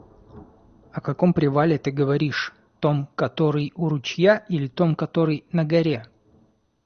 О каком привале ты говоришь: том, который у ручья или том, который на горе?